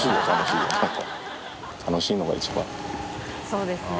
そうですね。